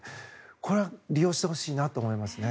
これは利用してほしいなと思いますね。